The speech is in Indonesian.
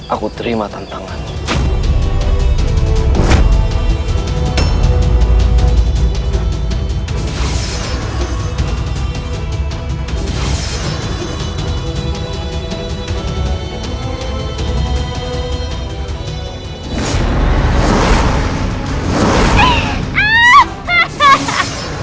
aku terima tantangannya